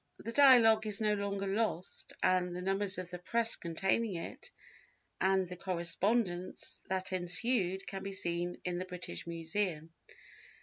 The Dialogue is no longer lost, and the numbers of the Press containing it and the correspondence that ensued can be seen in the British Museum.